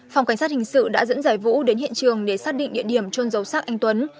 phòng cảnh sát hình sự đã dẫn giải vũ đến hiện trường để xác định địa điểm trôn dấu xác anh tuấn